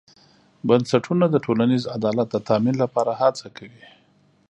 بنسټونه د ټولنیز عدالت د تامین لپاره هڅه کوي.